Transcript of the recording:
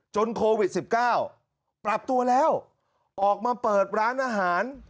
โควิด๑๙ปรับตัวแล้วออกมาเปิดร้านอาหาร